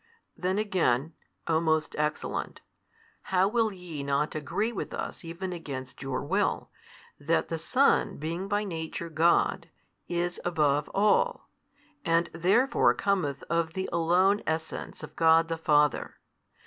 Then again (o most excellent) how will ye not agree with us even against your will, that the Son being by Nature God, is above all, and therefore cometh of the Alone Essence of God the Father?